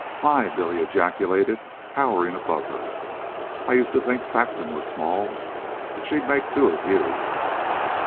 "My!" Billy ejaculated, towering above her. "I used to think Saxon was small. But she'd make two of you."